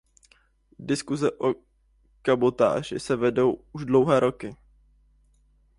Diskuse o kabotáži se vedou už dlouhé roky.